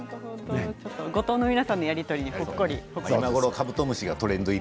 五島の皆さんのやり取りにほっこり。